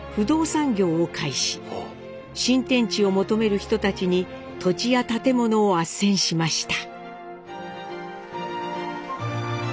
新天地を求める人たちに土地や建物をあっせんしました。